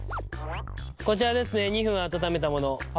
こちらですね２分温めたもの。